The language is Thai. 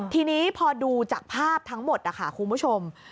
ทีนี้พอดูจากภาพทั้งหมดนะคะคุณผู้ชม